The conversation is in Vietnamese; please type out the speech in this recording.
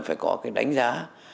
phải có cái đánh giá